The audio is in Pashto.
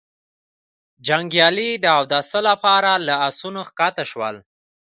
جنګيالي د اوداسه له پاره له آسونو کښته شول.